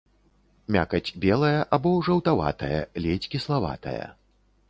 Мякаць белая або жаўтаватая, ледзь кіславатая.